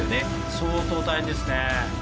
相当大変ですね。